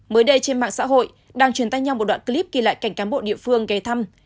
mới đây trên mạng xã hội đang truyền tay nhau một đoạn clip ghi lại cảnh cán bộ địa phương ghé thăm